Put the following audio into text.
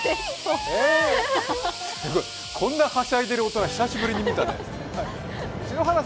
すごい、こんなはしゃいでいる大人久しぶりに見たね。